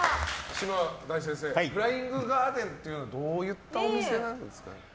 嶋大先生フライングガーデンというのはどういったお店なんですか？